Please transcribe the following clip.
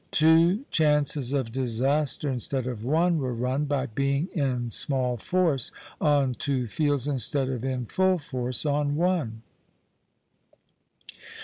Two chances of disaster, instead of one, were run, by being in small force on two fields instead of in full force on one.